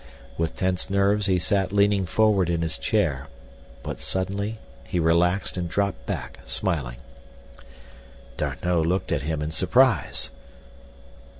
With tense nerves he sat leaning forward in his chair, but suddenly he relaxed and dropped back, smiling. D'Arnot looked at him in surprise.